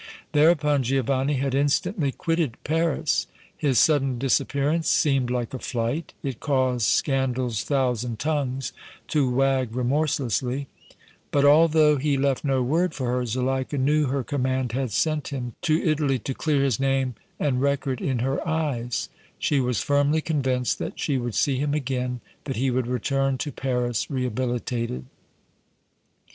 Thereupon Giovanni had instantly quitted Paris. His sudden disappearance seemed like a flight; it caused scandal's thousand tongues to wag remorselessly; but, although he left no word for her, Zuleika knew her command had sent him to Italy to clear his name and record in her eyes; she was firmly convinced that she would see him again, that he would return to Paris rehabilitated.